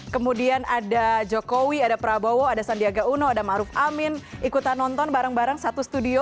kemudian ada jokowi ada prabowo ada sandiaga uno ada maruf amin ikutan nonton bareng bareng satu studio